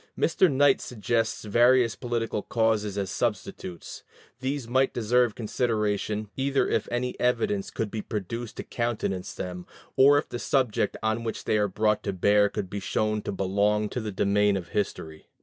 Mr. Knight suggests various political causes as substitutes; these might deserve consideration, either if any evidence could be produced to countenance them, or if the subject on which they are brought to bear could be shown to belong to the domain of history.